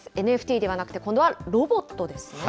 ＮＦＴではなくて、今度はロボットですね。